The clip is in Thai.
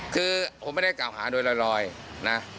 คือผมไม่ได้กล่าวหาโดยลอยนะ